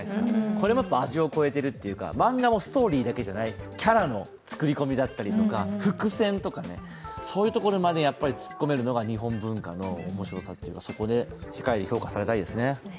これもやっぱり味を超えているというか、漫画もストーリーだけじゃない、キャラの作り込みとか伏線とかね、そういうところまでやっぱり突っ込めるのが日本文化の面白さというか、そこで世界に評価されたいですね。